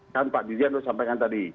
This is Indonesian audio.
kan pak dirjen sudah sampaikan tadi